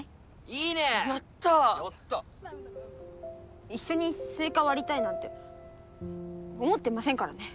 いいねやったーやった一緒にスイカ割りたいなんて思ってませんからね